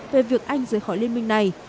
về việc anh rời khỏi liên minh này